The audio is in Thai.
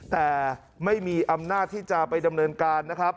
แต่ไม่มีอำนาจที่จะไปดำเนินการนะครับ